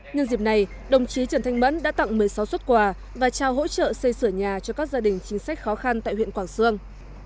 nhân dịp này đồng chí trần thanh mẫn đã tặng một mươi sáu xuất quà và trao hỗ trợ xây sửa nhà cho các gia đình chính sách khó khăn tại huyện quảng sương